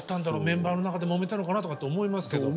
メンバーの中でもめたのかなとかって思いますけど。